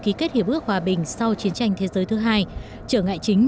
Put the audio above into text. ký kết hiệp ước hòa bình